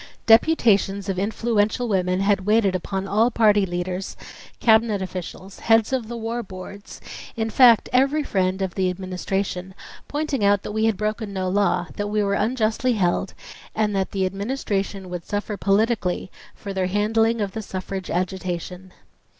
Deputations of in fluential women had waited upon all party leaders, cabinet officials, heads of the war boards, in fact every friend of the Administration, pointing out that we had broken no law, that we were unjustly held, and that .the Administration would suffer politically for their handling of the suffrage agitation.